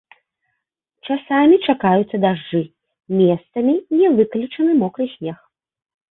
Часамі чакаюцца дажджы, месцамі не выключаны мокры снег.